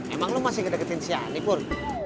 emang lu masih kedeketin si ani pur